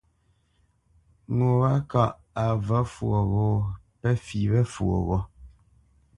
Ŋo wâ kâʼ a və̌ fwoghó pə fî wé fwoghó.